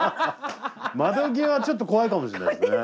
窓際はちょっと怖いかもしんないですね。